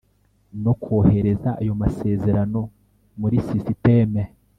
no kohereza ayo masezerano muri sisiteme